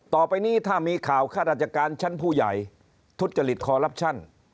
ต่อไปนี้ถ้ามีข่าวข้าราชการชั้นผู้ใหญ่ทุจริตคอลลับชั่น